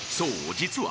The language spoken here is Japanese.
実は］